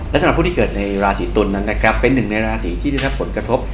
แล้วสำหรับสิทธิ์ที่เกิดในราศิตุลเป็นหนึ่งในราศิทธิ์ที่ได้รับผลกระทบ